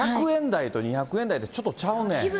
１００円台と２００円台で、ちょっとちゃうねん。